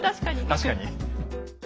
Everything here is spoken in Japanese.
確かに。